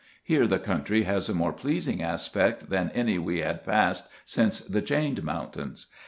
Here the country has a more pleasing aspect than any we had passed since the Chained Mountains.